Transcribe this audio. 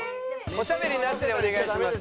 おしゃべりなしでお願いします。